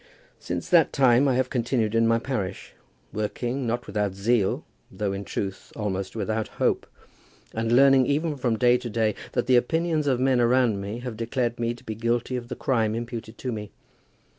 Since that time I have continued in my parish, working, not without zeal, though in truth, almost without hope, and learning even from day to day that the opinions of men around me have declared me to be guilty of the crime imputed to me.